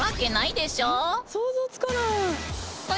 想像つかない。